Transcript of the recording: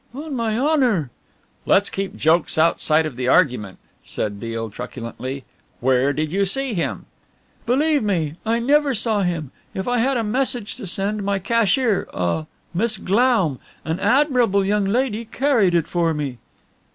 "On my honour " "Let's keep jokes outside of the argument," said Beale truculently, "where did you see him?" "Believe me, I never saw him if I had a message to send, my cashier ah Miss Glaum, an admirable young lady carried it for me."